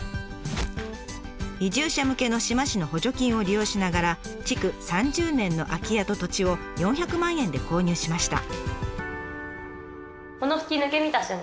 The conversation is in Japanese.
移住者向けの志摩市の補助金を利用しながら築３０年の空き家と土地を４００万円で購入しました。